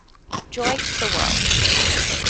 Joy to the world.